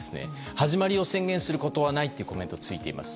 始まりを宣言することはないとコメントがついています。